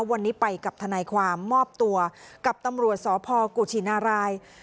วันนี้ไปกับทนายความมอบตัวกับตำรวจสพกุชินาราย